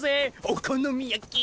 お好み焼き！